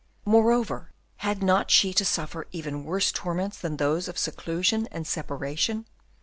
Moreover, had not she to suffer even worse torments than those of seclusion and separation?